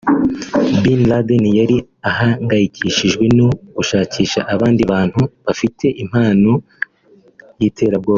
Bin Laden yari ahangayikishijwe no gushakisha abandi bantu bafite impano y’iterabwoba